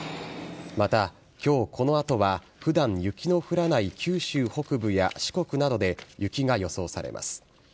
また、きょうこのあとは、ふだん雪の降らない九州北部や四国などで雪が予想されます。